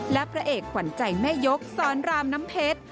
และพระเอกขวัญใจแม่ยกสอนรามน้ำเพชร